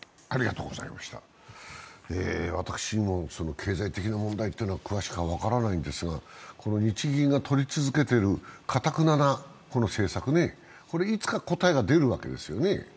私にも経済的な問題というのは詳しくは分からないんですが日銀が取り続けているかたくななこの政策、これはいつか答えが出るわけですよね。